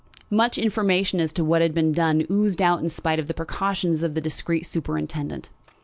Much information as to what had been done oozed out in spite of the precautions of the discreet superintendent.